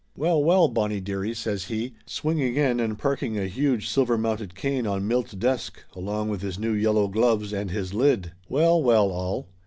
"Well, well, Bonnie dearie!" says he, swinging in and parking a huge silver mounted cane on Milt's desk along with his new yellow gloves and his lid. "Well, well, all!